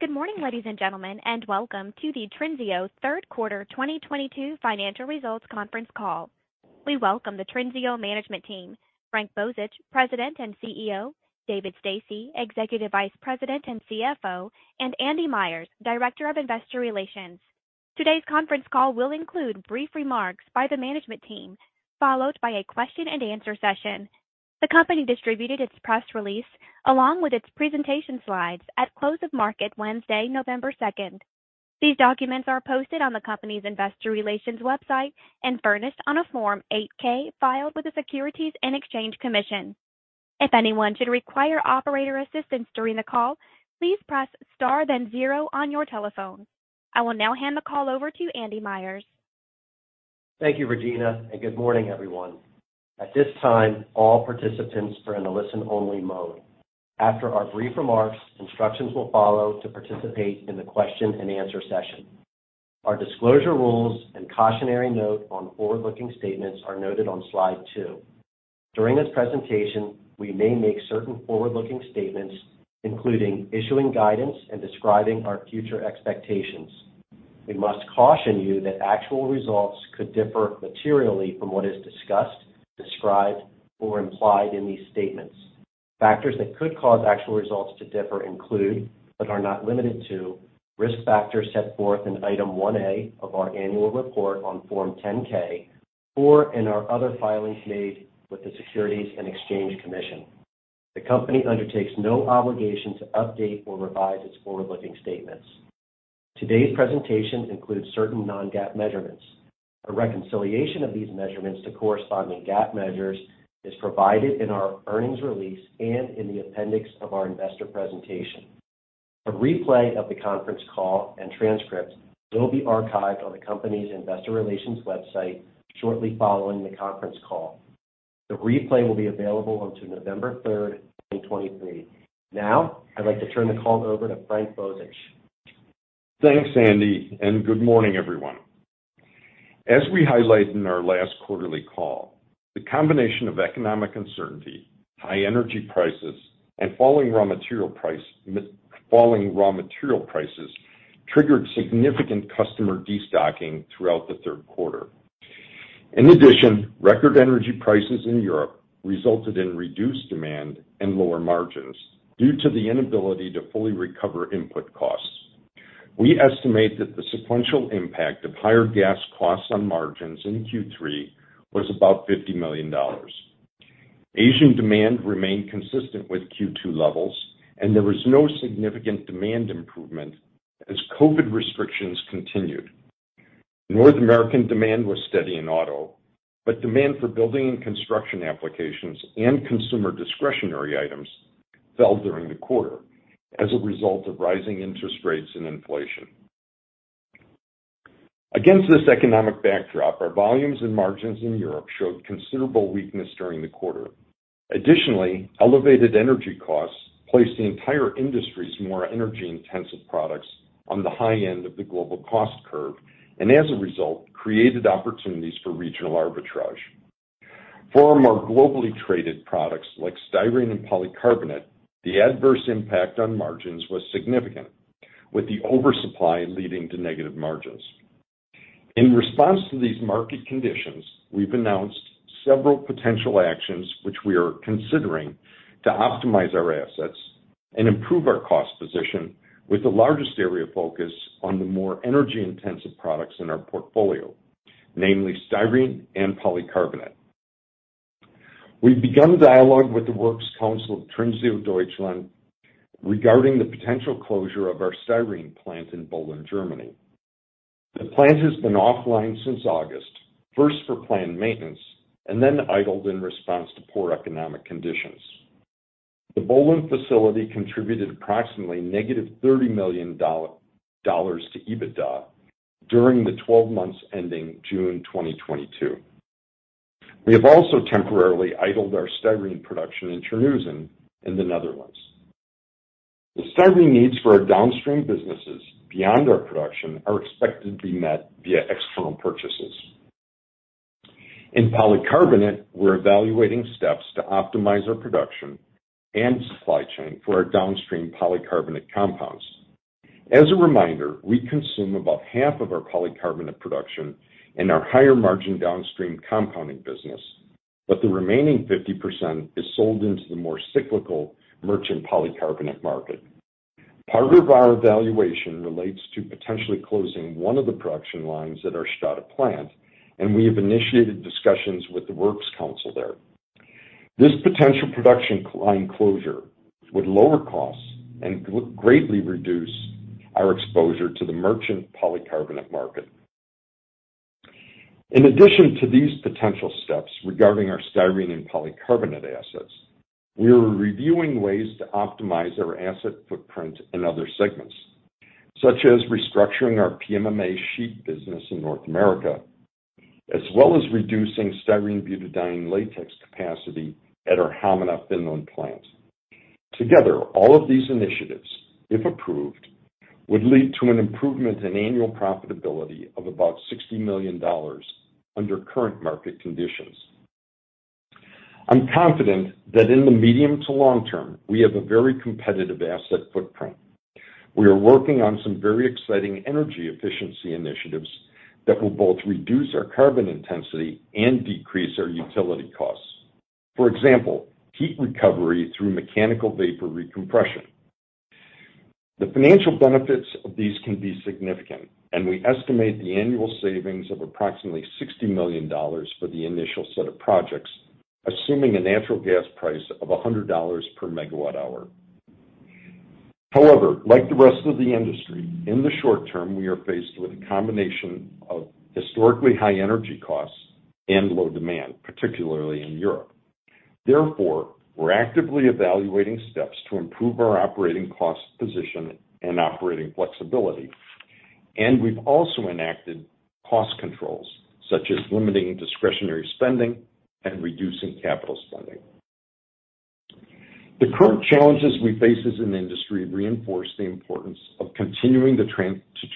Good morning, ladies and gentlemen, and welcome to the Trinseo third quarter 2022 financial results conference call. We welcome the Trinseo management team, Frank Bozich, President and CEO, David Stasse, Executive Vice President and CFO, and Andy Myers, Director of Investor Relations. Today's conference call will include brief remarks by the management team, followed by a question-and-answer session. The company distributed its press release along with its presentation slides at close of market Wednesday, November 2. These documents are posted on the company's investor relations website and furnished on a Form 8-K filed with the Securities and Exchange Commission. If anyone should require operator assistance during the call, please press star then zero on your telephone. I will now hand the call over to Andy Myers. Thank you, Regina, and good morning, everyone. At this time, all participants are in a listen-only mode. After our brief remarks, instructions will follow to participate in the question-and-answer session. Our disclosure rules and cautionary note on forward-looking statements are noted on slide 2. During this presentation, we may make certain forward-looking statements, including issuing guidance and describing our future expectations. We must caution you that actual results could differ materially from what is discussed, described, or implied in these statements. Factors that could cause actual results to differ include, but are not limited to, risk factors set forth in Item 1A of our annual report on Form 10-K or in our other filings made with the Securities and Exchange Commission. The company undertakes no obligation to update or revise its forward-looking statements. Today's presentation includes certain non-GAAP measurements. A reconciliation of these measurements to corresponding GAAP measures is provided in our earnings release and in the appendix of our investor presentation. A replay of the conference call and transcript will be archived on the company's investor relations website shortly following the conference call. The replay will be available until November third, 2023. Now, I'd like to turn the call over to Frank Bozich. Thanks, Andy, and good morning, everyone. As we highlighted in our last quarterly call, the combination of economic uncertainty, high energy prices, and falling raw material prices triggered significant customer destocking throughout the third quarter. In addition, record energy prices in Europe resulted in reduced demand and lower margins due to the inability to fully recover input costs. We estimate that the sequential impact of higher gas costs on margins in Q3 was about $50 million. Asian demand remained consistent with Q2 levels, and there was no significant demand improvement as COVID restrictions continued. North American demand was steady in auto, but demand for building and construction applications and consumer discretionary items fell during the quarter as a result of rising interest rates and inflation. Against this economic backdrop, our volumes and margins in Europe showed considerable weakness during the quarter. Elevated energy costs placed the entire industry's more energy-intensive products on the high end of the global cost curve, and as a result, created opportunities for regional arbitrage. For our more globally traded products like styrene and polycarbonate, the adverse impact on margins was significant, with the oversupply leading to negative margins. In response to these market conditions, we've announced several potential actions which we are considering to optimize our assets and improve our cost position with the largest area of focus on the more energy-intensive products in our portfolio, namely styrene and polycarbonate. We've begun dialogue with the Works Council of Trinseo Deutschland regarding the potential closure of our styrene plant in Bohlen, Germany. The plant has been offline since August, first for plant maintenance and then idled in response to poor economic conditions. The Bohlen facility contributed approximately -$30 million to EBITDA during the 12 months ending June 2022. We have also temporarily idled our styrene production in Terneuzen in the Netherlands. The styrene needs for our downstream businesses beyond our production are expected to be met via external purchases. In polycarbonate, we're evaluating steps to optimize our production and supply chain for our downstream polycarbonate compounds. As a reminder, we consume about half of our polycarbonate production in our higher-margin downstream compounding business, but the remaining 50% is sold into the more cyclical merchant polycarbonate market. Part of our evaluation relates to potentially closing one of the production lines at our Stade plant, and we have initiated discussions with the Works Council there. This potential production line closure would lower costs and greatly reduce our exposure to the merchant polycarbonate market. In addition to these potential steps regarding our styrene and polycarbonate assets, we are reviewing ways to optimize our asset footprint in other segments, such as restructuring our PMMA sheet business in North America, as well as reducing styrene-butadiene latex capacity at our Hamina, Finland plant. Together, all of these initiatives, if approved, would lead to an improvement in annual profitability of about $60 million under current market conditions. I'm confident that in the medium to long term, we have a very competitive asset footprint. We are working on some very exciting energy efficiency initiatives that will both reduce our carbon intensity and decrease our utility costs. For example, heat recovery through mechanical vapor recompression. The financial benefits of these can be significant, and we estimate the annual savings of approximately $60 million for the initial set of projects, assuming a natural gas price of $100 per megawatt hour. However, like the rest of the industry, in the short term, we are faced with a combination of historically high energy costs and low demand, particularly in Europe. Therefore, we're actively evaluating steps to improve our operating cost position and operating flexibility, and we've also enacted cost controls, such as limiting discretionary spending and reducing capital spending. The current challenges we face as an industry reinforce the importance of continuing to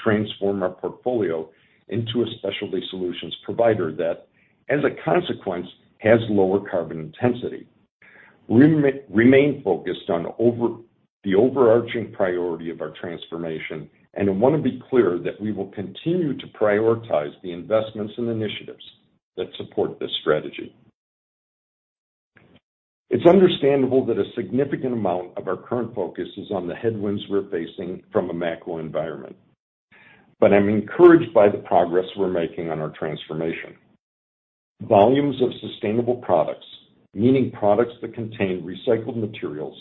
transform our portfolio into a specialty solutions provider that, as a consequence, has lower carbon intensity. We remain focused on the overarching priority of our transformation, and I wanna be clear that we will continue to prioritize the investments and initiatives that support this strategy. It's understandable that a significant amount of our current focus is on the headwinds we're facing from a macro environment, but I'm encouraged by the progress we're making on our transformation. Volumes of sustainable products, meaning products that contain recycled materials,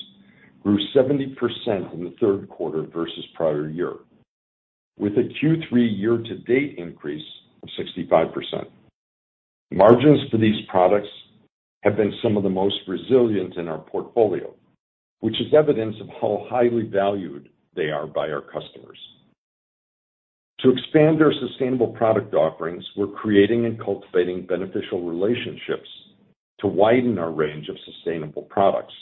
grew 70% in the third quarter versus prior year, with a Q3 year-to-date increase of 65%. Margins for these products have been some of the most resilient in our portfolio, which is evidence of how highly valued they are by our customers. To expand our sustainable product offerings, we're creating and cultivating beneficial relationships to widen our range of sustainable products,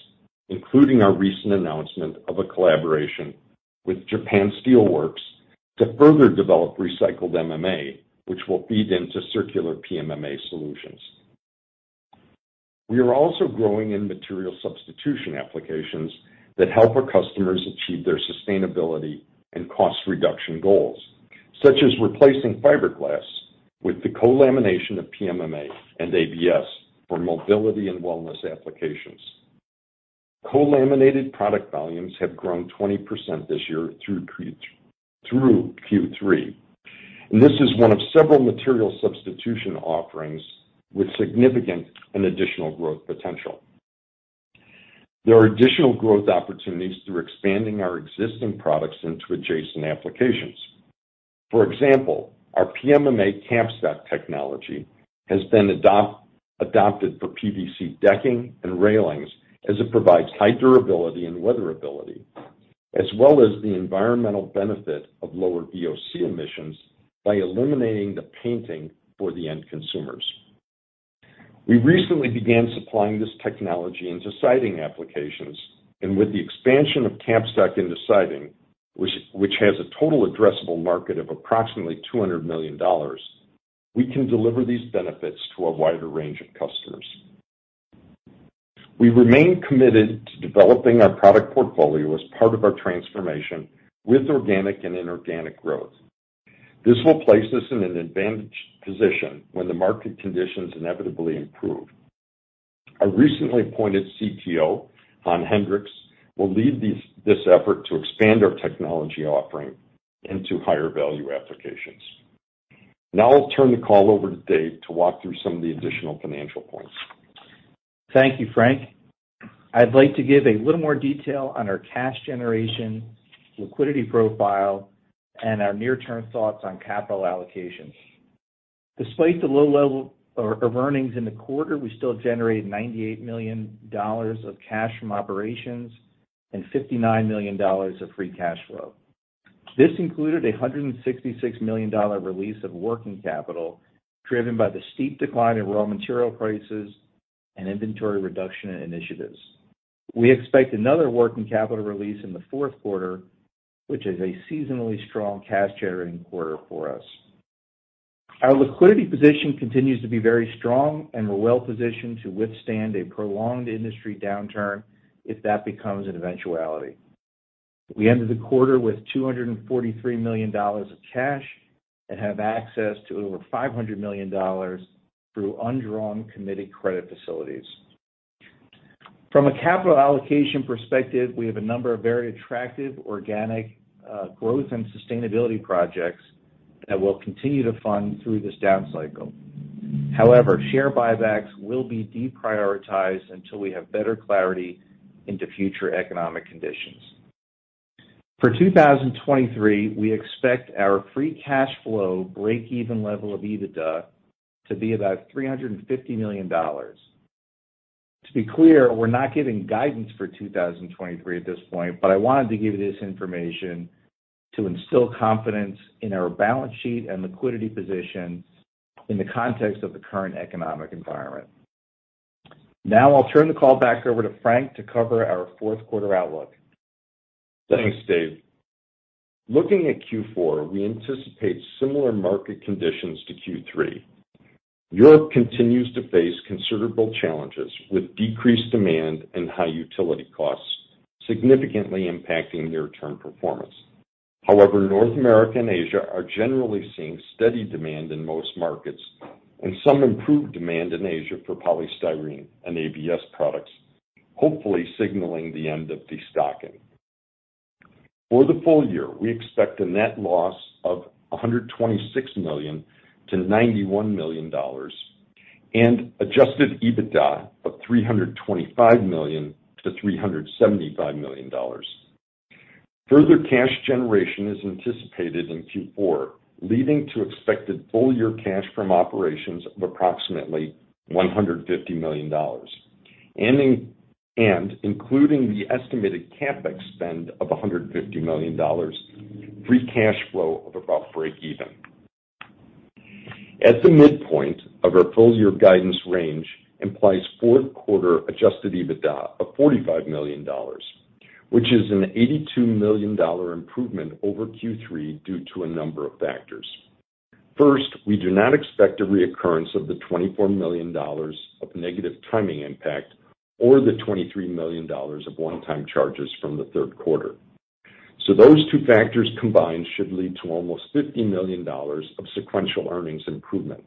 including our recent announcement of a collaboration with Japan Steel Works to further develop recycled MMA, which will feed into circular PMMA solutions. We are also growing in material substitution applications that help our customers achieve their sustainability and cost reduction goals, such as replacing fiberglass with the co-lamination of PMMA and ABS for mobility and wellness applications. Co-laminated product volumes have grown 20% this year through Q3, and this is one of several material substitution offerings with significant and additional growth potential. There are additional growth opportunities through expanding our existing products into adjacent applications. For example, our PMMA capstock technology has been adopted for PVC decking and railings as it provides high durability and weatherability, as well as the environmental benefit of lower VOC emissions by eliminating the painting for the end consumers. We recently began supplying this technology into siding applications, and with the expansion of capstock into siding, which has a total addressable market of approximately $200 million, we can deliver these benefits to a wider range of customers. We remain committed to developing our product portfolio as part of our transformation with organic and inorganic growth. This will place us in an advantaged position when the market conditions inevitably improve. Our recently appointed CTO, Han Hendriks, will lead this effort to expand our technology offering into higher value applications. Now I'll turn the call over to Dave to walk through some of the additional financial points. Thank you, Frank. I'd like to give a little more detail on our cash generation, liquidity profile, and our near-term thoughts on capital allocation. Despite the low level of earnings in the quarter, we still generated $98 million of cash from operations and $59 million of free cash flow. This included a $166 million release of working capital, driven by the steep decline in raw material prices and inventory reduction initiatives. We expect another working capital release in the fourth quarter, which is a seasonally strong cash-generating quarter for us. Our liquidity position continues to be very strong, and we're well-positioned to withstand a prolonged industry downturn if that becomes an eventuality. We ended the quarter with $243 million of cash and have access to over $500 million through undrawn committed credit facilities. From a capital allocation perspective, we have a number of very attractive organic growth and sustainability projects that we'll continue to fund through this down cycle. However, share buybacks will be deprioritized until we have better clarity into future economic conditions. For 2023, we expect our free cash flow breakeven level of EBITDA to be about $350 million. To be clear, we're not giving guidance for 2023 at this point, but I wanted to give you this information to instill confidence in our balance sheet and liquidity position in the context of the current economic environment. Now I'll turn the call back over to Frank to cover our fourth quarter outlook. Thanks, Dave. Looking at Q4, we anticipate similar market conditions to Q3. Europe continues to face considerable challenges, with decreased demand and high utility costs significantly impacting near-term performance. However, North America and Asia are generally seeing steady demand in most markets and some improved demand in Asia for polystyrene and ABS products, hopefully signaling the end of destocking. For the full year, we expect a net loss of $126 million-$91 million and adjusted EBITDA of $325 million-$375 million. Further cash generation is anticipated in Q4, leading to expected full-year cash from operations of approximately $150 million. Including the estimated CapEx spend of $150 million, free cash flow of about breakeven. At the midpoint of our full-year guidance range implies fourth quarter adjusted EBITDA of $45 million, which is an $82 million improvement over Q3 due to a number of factors. First, we do not expect a reoccurrence of the $24 million of negative timing impact or the $23 million of one-time charges from the third quarter. Those two factors combined should lead to almost $50 million of sequential earnings improvement.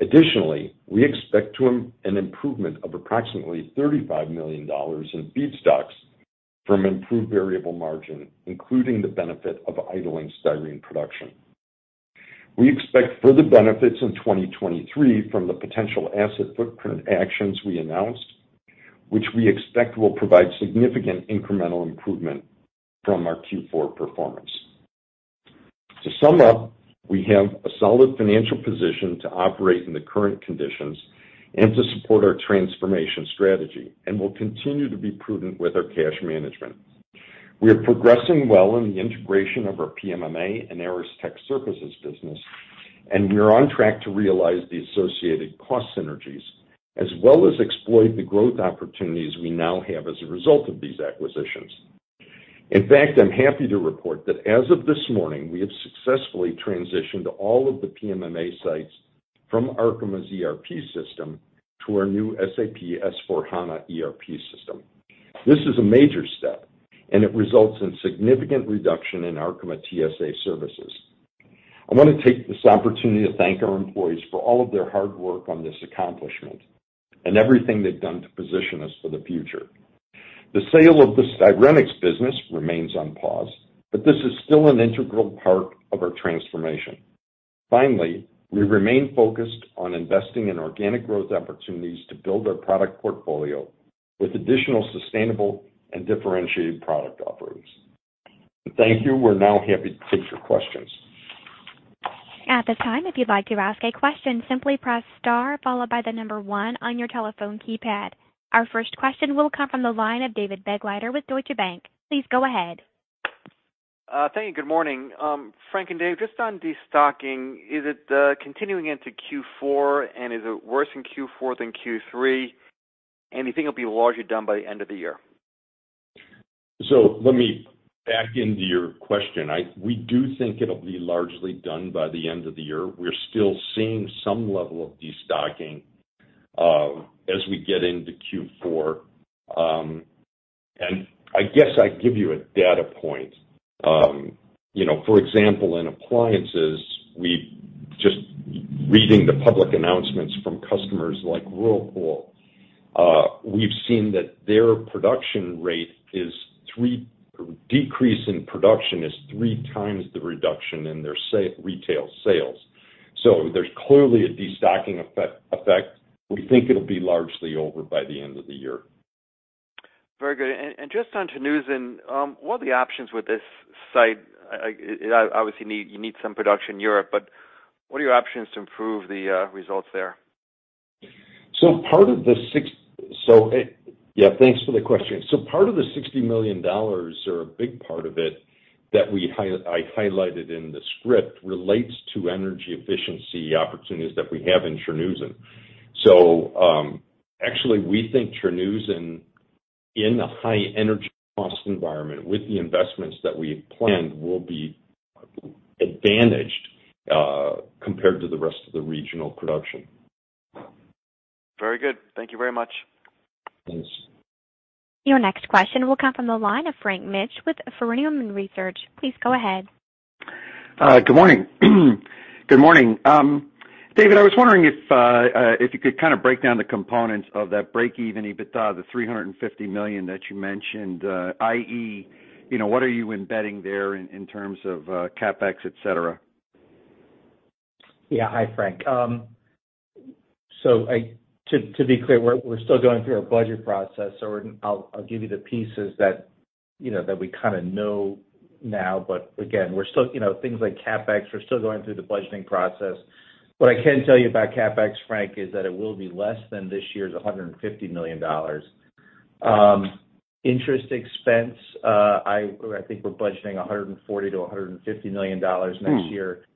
Additionally, we expect an improvement of approximately $35 million in feedstocks from improved variable margin, including the benefit of idling styrene production. We expect further benefits in 2023 from the potential asset footprint actions we announced, which we expect will provide significant incremental improvement from our Q4 performance. To sum up, we have a solid financial position to operate in the current conditions and to support our transformation strategy, and we'll continue to be prudent with our cash management. We are progressing well in the integration of our PMMA and Aristech Surfaces business, and we are on track to realize the associated cost synergies, as well as exploit the growth opportunities we now have as a result of these acquisitions. In fact, I'm happy to report that as of this morning, we have successfully transitioned all of the PMMA sites from Arkema's ERP system to our new SAP S/4HANA ERP system. This is a major step, and it results in significant reduction in Arkema TSA services. I wanna take this opportunity to thank our employees for all of their hard work on this accomplishment and everything they've done to position us for the future. The sale of the Styrenics business remains on pause, but this is still an integral part of our transformation. Finally, we remain focused on investing in organic growth opportunities to build our product portfolio with additional sustainable and differentiated product offerings. Thank you. We're now happy to take your questions. At this time, if you'd like to ask a question, simply press star followed by the number one on your telephone keypad. Our first question will come from the line of David Begleiter with Deutsche Bank. Please go ahead. Thank you. Good morning. Frank and Dave, just on destocking, is it continuing into Q4? Is it worse in Q4 than Q3? Do you think it'll be largely done by the end of the year? Let me back into your question. We do think it'll be largely done by the end of the year. We're still seeing some level of destocking as we get into Q4. I guess I'd give you a data point. You know, for example, in appliances, we just read in the public announcements from customers like Whirlpool. We've seen that their decrease in production is three times the reduction in their retail sales. There's clearly a destocking effect. We think it'll be largely over by the end of the year. Very good. Just on Terneuzen, what are the options with this site? Obviously, you need some production in Europe, but what are your options to improve the results there? Yeah, thanks for the question. Part of the $60 million or a big part of it that I highlighted in the script relates to energy efficiency opportunities that we have in Terneuzen. Actually we think Terneuzen in the high energy cost environment with the investments that we have planned will be advantaged compared to the rest of the regional production. Very good. Thank you very much. Thanks. Your next question will come from the line of Frank Mitsch with Fermium Research. Please go ahead. Good morning. David, I was wondering if you could kinda break down the components of that breakeven EBITDA, the $350 million that you mentioned, i.e., you know, what are you embedding there in terms of CapEx, et cetera? Yeah. Hi, Frank. To be clear, we're still going through our budget process. I'll give you the pieces that, you know, that we kinda know now. Again, we're still, you know, things like CapEx. We're still going through the budgeting process. What I can tell you about CapEx, Frank, is that it will be less than this year's $150 million. Interest expense, I think we're budgeting $140 million-$150 million next year.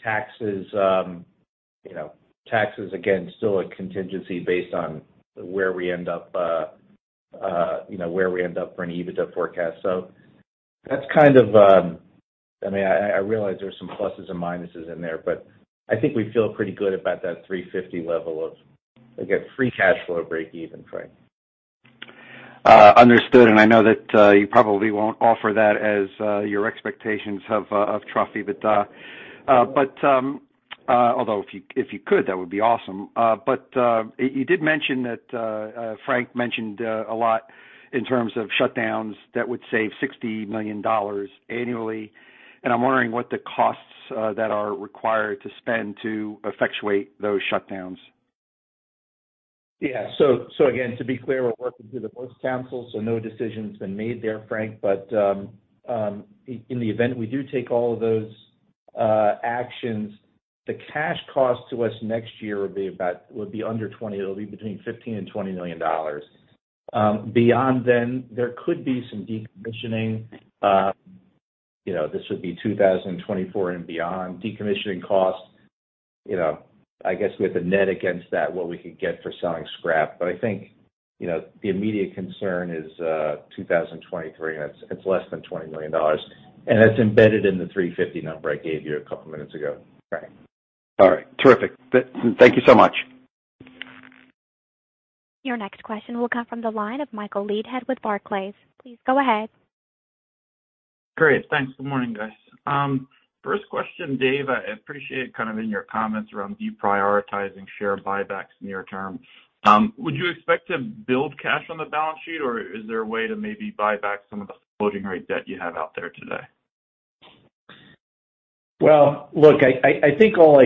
Taxes, you know, taxes, again, still a contingency based on where we end up, you know, where we end up for an EBITDA forecast. That's kind of. I mean, I realize there's some pluses and minuses in there, but I think we feel pretty good about that $350 level of, again, free cash flow breakeven, Frank. Understood. I know that you probably won't offer that as your expectations of trough. Although if you could, that would be awesome. You did mention that Frank mentioned a lot in terms of shutdowns that would save $60 million annually, and I'm wondering what the costs that are required to spend to effectuate those shutdowns. Yeah. Again, to be clear, we're working through the board's counsel, so no decision's been made there, Frank. In the event we do take all of those actions, the cash cost to us next year would be under $20 million. It'll be between $15 million and $20 million. Beyond then, there could be some decommissioning. You know, this would be 2024 and beyond. Decommissioning costs, you know, I guess with the net against that, what we could get for selling scrap. I think, you know, the immediate concern is 2023, and it's less than $20 million, and that's embedded in the $350 million number I gave you a couple minutes ago, Frank. All right. Terrific. Thank you so much. Your next question will come from the line of Michael Leithead with Barclays. Please go ahead. Great. Thanks. Good morning, guys. First question, Dave, I appreciate kind of in your comments around deprioritizing share buybacks near term. Would you expect to build cash on the balance sheet, or is there a way to maybe buy back some of the floating rate debt you have out there today? Well, look, I think all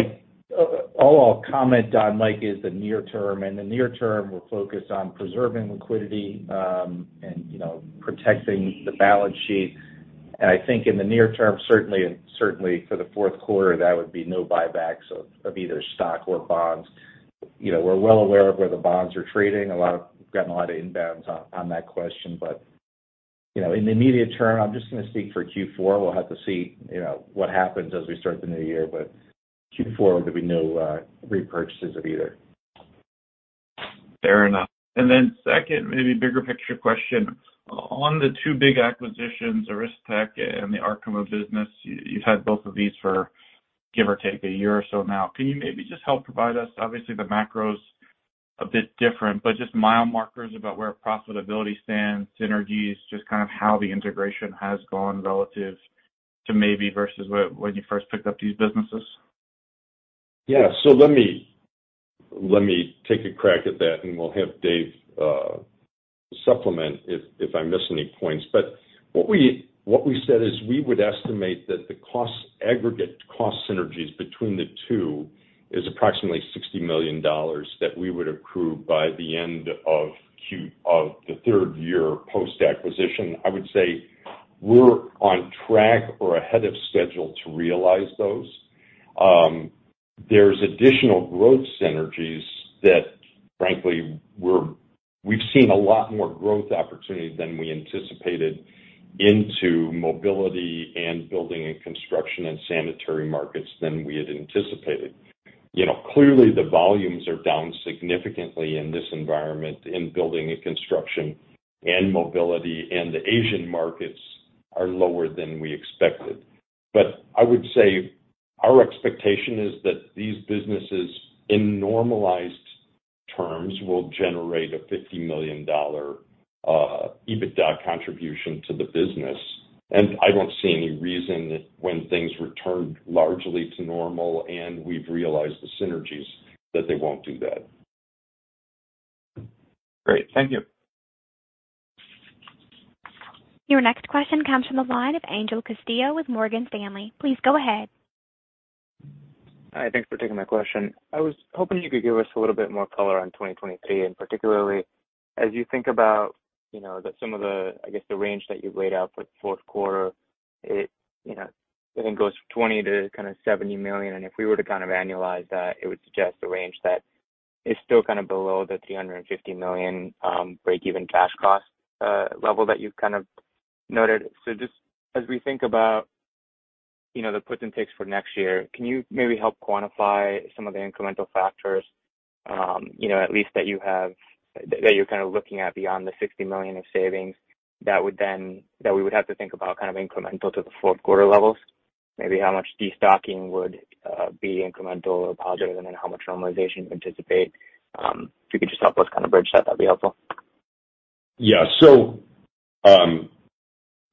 I'll comment on, Mike, is the near term, and the near term we're focused on preserving liquidity, and you know, protecting the balance sheet. I think in the near term, certainly for the fourth quarter, that would be no buybacks of either stock or bonds. You know, we're well aware of where the bonds are trading. We've gotten a lot of inbounds on that question. You know, in the immediate term, I'm just gonna speak for Q4. We'll have to see, you know, what happens as we start the new year. Q4, there'll be no repurchases of either. Fair enough. Second, maybe bigger picture question, on the two big acquisitions, Aristech and the Arkema business, you've had both of these for, give or take, a year or so now. Can you maybe just help provide us, obviously the macro's a bit different, but just mile markers about where profitability stands, synergies, just kind of how the integration has gone relative to maybe versus when you first picked up these businesses? Yeah. Let me take a crack at that, and we'll have Dave supplement if I miss any points. What we said is we would estimate that the cost, aggregate cost synergies between the two is approximately $60 million that we would accrue by the end of the third year post-acquisition. I would say we're on track or ahead of schedule to realize those. There's additional growth synergies that, frankly, we've seen a lot more growth opportunity than we anticipated into mobility and building and construction and sanitary markets than we had anticipated. You know, clearly the volumes are down significantly in this environment in building and construction and mobility, and the Asian markets are lower than we expected. I would say our expectation is that these businesses, in normalized terms, will generate a $50 million EBITDA contribution to the business. I don't see any reason that when things return largely to normal and we've realized the synergies that they won't do that. Great. Thank you. Your next question comes from the line of Angel Castillo with Morgan Stanley. Please go ahead. Hi. Thanks for taking my question. I was hoping you could give us a little bit more color on 2023, and particularly as you think about, you know, the, some of the, I guess the range that you've laid out for fourth quarter, it, you know, I think goes from $20 million to kind of $70 million. If we were to kind of annualize that, it would suggest a range that is still kind of below the $350 million breakeven cash cost level that you've kind of noted. Just as we think about, you know, the puts and takes for next year, can you maybe help quantify some of the incremental factors, you know, at least that you have, that you're kind of looking at beyond the $60 million of savings that would then, that we would have to think about kind of incremental to the fourth quarter levels? Maybe how much destocking would be incremental or positive, and then how much normalization you anticipate. If you could just help us kind of bridge that'd be helpful. Yeah.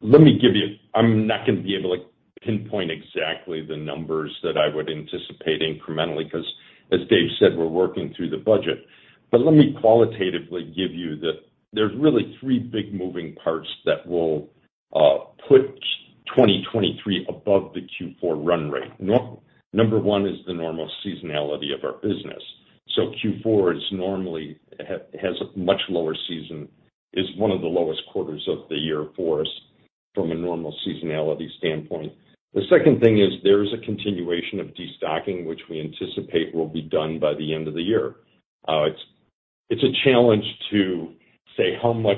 Let me give you. I'm not gonna be able to pinpoint exactly the numbers that I would anticipate incrementally, 'cause, as Dave said, we're working through the budget. Let me qualitatively give you the. There's really three big moving parts that will put 2023 above the Q4 run rate. Number one is the normal seasonality of our business. Q4 is normally has a much lower season, is one of the lowest quarters of the year for us from a normal seasonality standpoint. The second thing is there is a continuation of destocking, which we anticipate will be done by the end of the year. It's a challenge to say how much,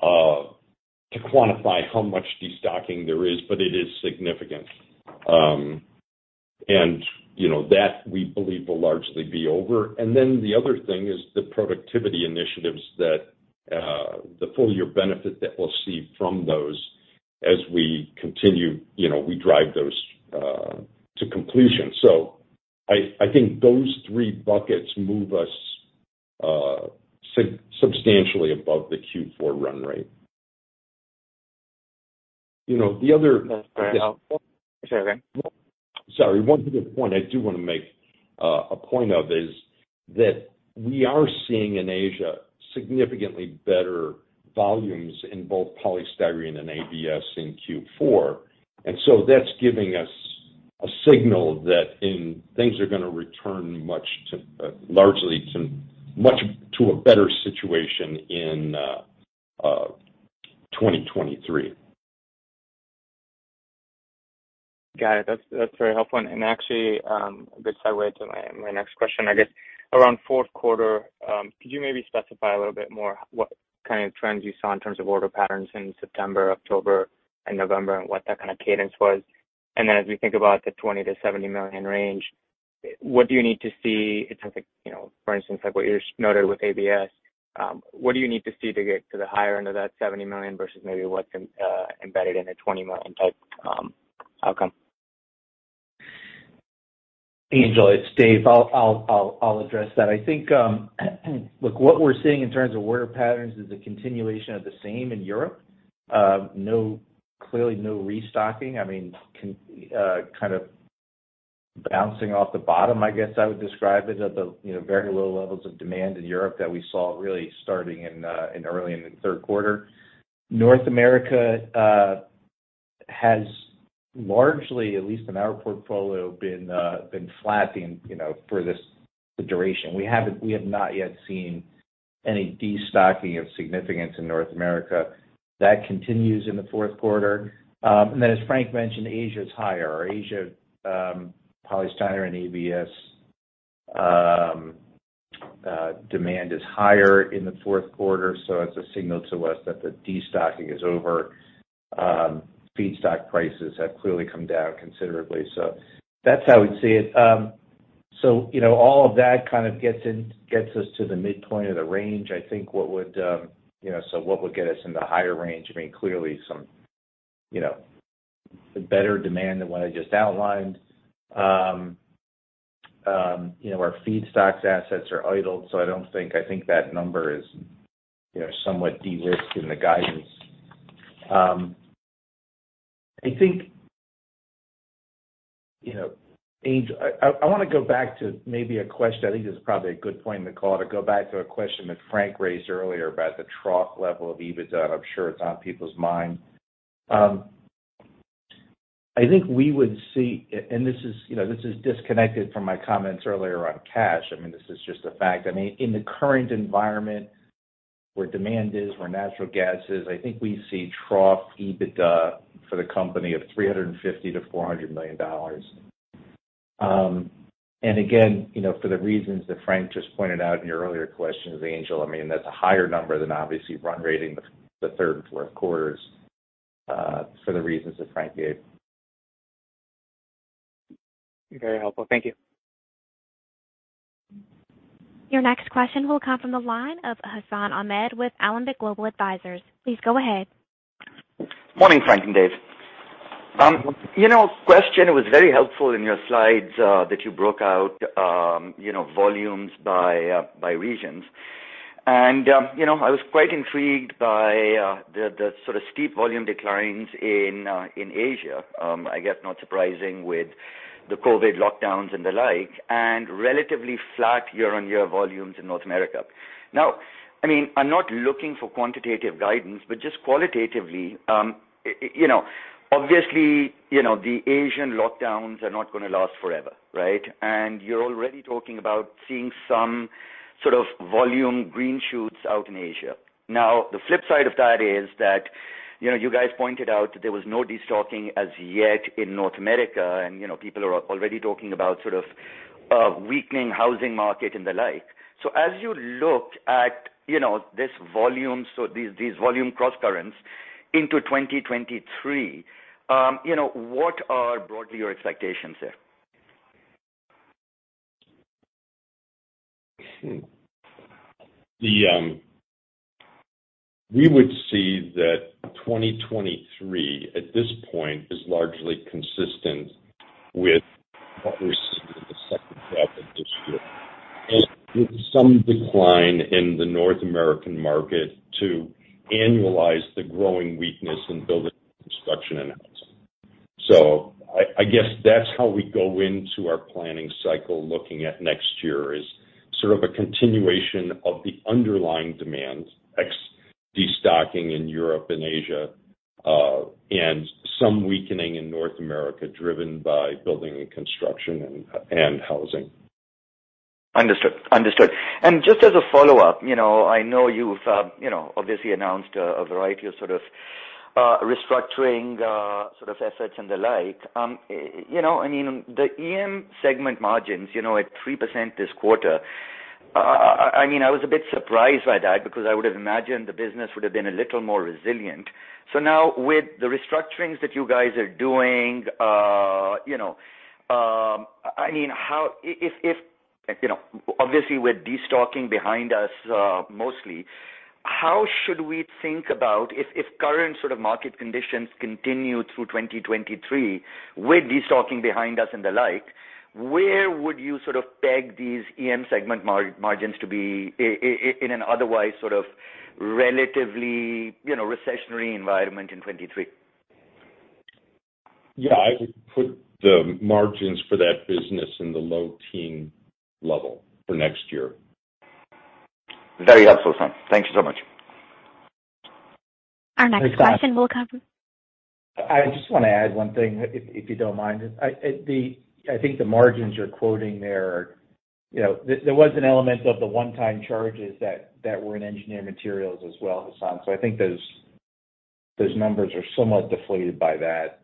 to quantify how much destocking there is, but it is significant. You know, that we believe will largely be over. The other thing is the productivity initiatives that the full year benefit that we'll see from those as we continue, you know, we drive those to completion. I think those three buckets move us substantially above the Q4 run rate. That's very helpful. Sorry, go ahead. Sorry. One good point I do wanna make, a point of is that we are seeing in Asia significantly better volumes in both polystyrene and ABS in Q4. That's giving us a signal that things are gonna return largely to a better situation in 2023. Got it. That's very helpful. Actually, a bit sideways to my next question, I guess around fourth quarter, could you maybe specify a little bit more what kind of trends you saw in terms of order patterns in September, October, and November, and what that kind of cadence was? Then as we think about the $20-70 million range, what do you need to see in terms of, you know, for instance, like what you just noted with ABS, what do you need to see to get to the higher end of that $70 million versus maybe what's embedded in a $20 million type outcome? Angel, it's Dave. I'll address that. I think, look, what we're seeing in terms of order patterns is a continuation of the same in Europe. Clearly no restocking. I mean, kind of bouncing off the bottom, I guess I would describe it at the, you know, very low levels of demand in Europe that we saw really starting early in the third quarter. North America has largely, at least in our portfolio, been flattening, you know, for this duration. We have not yet seen any destocking of significance in North America. That continues in the fourth quarter. As Frank mentioned, Asia is higher. Asia, polystyrene and ABS demand is higher in the fourth quarter. So that's a signal to us that the destocking is over. Feedstock prices have clearly come down considerably. That's how I would see it. You know, all of that kind of gets us to the midpoint of the range. I think what would, you know, so what would get us in the higher range, I mean, clearly some, you know, better demand than what I just outlined. You know, our feedstocks assets are idled, so I think that number is, you know, somewhat de-risked in the guidance. I think, you know, Angel, I wanna go back to maybe a question. I think this is probably a good point in the call to go back to a question that Frank raised earlier about the trough level of EBITDA. I'm sure it's on people's mind. I think we would see, and this is, you know, this is disconnected from my comments earlier on cash. I mean, this is just a fact. I mean, in the current environment where demand is, where natural gas is, I think we see trough EBITDA for the company of $350 million-$400 million. Again, you know, for the reasons that Frank just pointed out in your earlier questions, Angel, I mean, that's a higher number than obviously run-rating the third and fourth quarters, for the reasons that Frank gave. Very helpful. Thank you. Your next question will come from the line of Hassan Ahmed with Alembic Global Advisors. Please go ahead. Morning, Frank and Dave. You know, question, it was very helpful in your slides that you broke out you know, volumes by regions. You know, I was quite intrigued by the sort of steep volume declines in Asia. I guess not surprising with the COVID lockdowns and the like, and relatively flat year-on-year volumes in North America. Now, I mean, I'm not looking for quantitative guidance, but just qualitatively, you know, obviously, you know, the Asian lockdowns are not gonna last forever, right? You're already talking about seeing some sort of volume green shoots out in Asia. Now, the flip side of that is that, you know, you guys pointed out that there was no destocking as yet in North America, and, you know, people are already talking about sort of a weakening housing market and the like. As you look at, you know, this volume, these volume crosscurrents into 2023, you know, what are broadly your expectations there? We would see that 2023, at this point, is largely consistent with what we're seeing in the second half of this year, and with some decline in the North American market to annualize the growing weakness in building construction and housing. I guess that's how we go into our planning cycle looking at next year is sort of a continuation of the underlying demand ex destocking in Europe and Asia, and some weakening in North America driven by building and construction and housing. Understood. Just as a follow-up, you know, I know you've, you know, obviously announced a variety of sort of restructuring, sort of assets and the like. You know, I mean, the EM segment margins, you know, at 3% this quarter, I mean, I was a bit surprised by that because I would've imagined the business would've been a little more resilient. Now with the restructurings that you guys are doing, you know, I mean, how? If, you know, obviously with destocking behind us, mostly, how should we think about if current sort of market conditions continue through 2023 with destocking behind us and the like, where would you sort of peg these EM segment margins to be in an otherwise sort of relatively, you know, recessionary environment in 2023? Yeah, I would put the margins for that business in the low-teen level for next year. Very helpful, sir. Thank you so much. Our next question will come. I just wanna add one thing if you don't mind. I think the margins you're quoting there are, you know, there was an element of the one-time charges that were in engineering materials as well, Hassan. I think those numbers are somewhat deflated by that.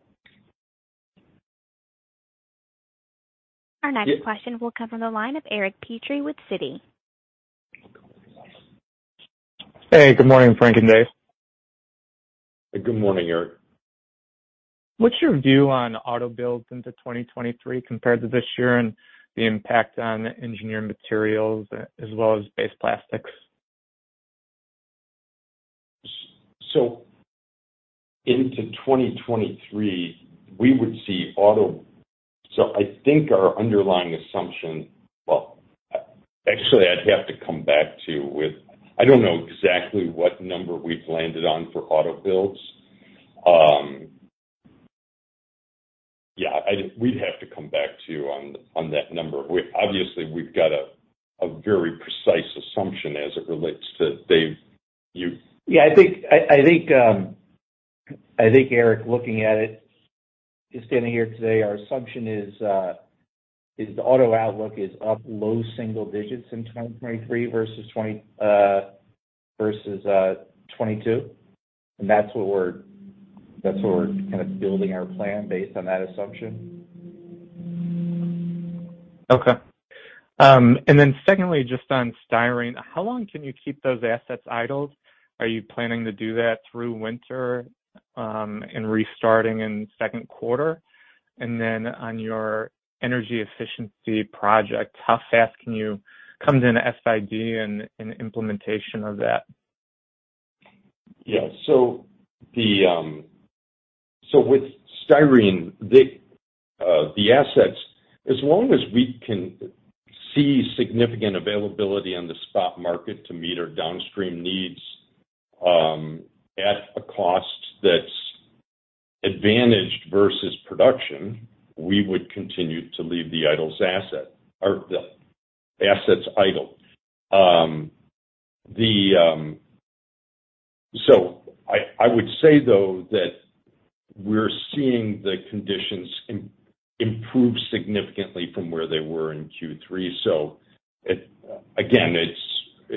Our next question will come from the line of Eric Petrie with Citi. Hey, good morning, Frank and Dave. Good morning, Eric. What's your view on auto builds into 2023 compared to this year and the impact on engineering materials as well as base plastics? I think our underlying assumption. Well, actually, I'd have to come back to you with, I don't know exactly what number we've landed on for auto builds. Yeah, we'd have to come back to you on that number. Obviously, we've got a very precise assumption as it relates to Dave, you. Yeah, I think Eric looking at it is standing here today, our assumption is the auto outlook is up low single digits in 2023 versus 2022. That's what we're kind of building our plan based on that assumption. Secondly, just on styrene, how long can you keep those assets idled? Are you planning to do that through winter, and restarting in second quarter? On your energy efficiency project, comes in FID and implementation of that? With styrene, the assets, as long as we can see significant availability on the spot market to meet our downstream needs, at a cost that's advantaged versus production, we would continue to leave the idle asset or the assets idle. I would say though that we're seeing the conditions improve significantly from where they were in Q3.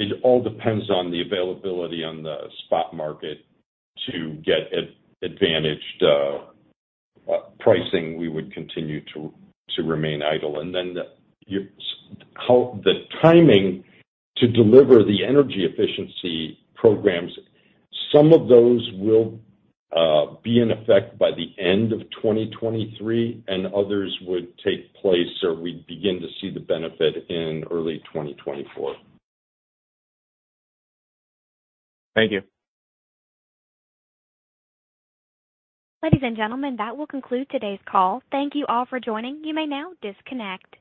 It all depends on the availability on the spot market to get advantaged pricing, we would continue to remain idle. How the timing to deliver the energy efficiency programs, some of those will be in effect by the end of 2023, and others would take place or we'd begin to see the benefit in early 2024. Thank you. Ladies and gentlemen, that will conclude today's call. Thank you all for joining. You may now disconnect.